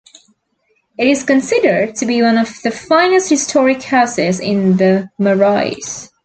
It is considered to be one of the finest historic houses in the Marais.